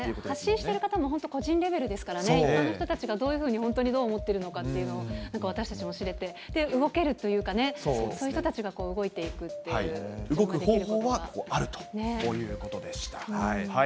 発信している方が本当個人レベルですからね、一般の人たちがどういうふうに、本当にどう思っているのかというのを私たちも知れて、動けるというかね、そうい動く方法はあるということでした。